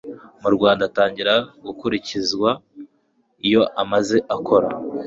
mu rwanda atangira gukurikizwa iyo amaze akora